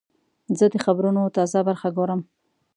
زه د خبرونو تازه برخه ګورم.